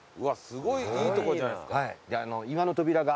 すごいいいとこじゃないですか。